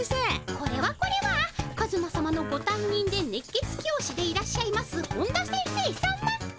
これはこれはカズマさまのごたんにんで熱血教師でいらっしゃいます本田先生さま。